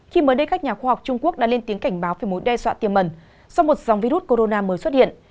khi mới đây các nhà khoa học trung quốc đã lên tiếng cảnh báo về mối đe dọa tiềm mẩn sau một dòng virus corona mới xuất hiện